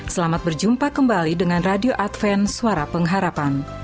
selamat berjumpa kembali dengan radio advent suara pengharapan